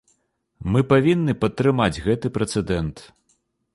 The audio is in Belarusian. Мы павінны падтрымаць гэты прэцэдэнт.